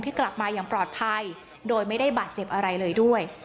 กลับมาอย่างปลอดภัยโดยไม่ได้บาดเจ็บอะไรเลยด้วย